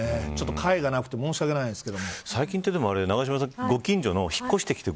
解がなくて申し訳ないんですけど。